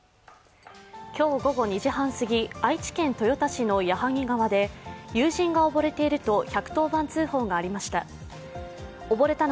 今日午後２時半過ぎ、愛知県豊田市の矢作川で友人が溺れていると１１０番通報がありました。